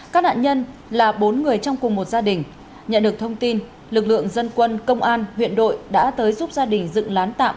các nạn nhân là bốn người trong cùng một gia đình nhận được thông tin lực lượng dân quân công an huyện đội đã tới giúp gia đình dựng lán tạm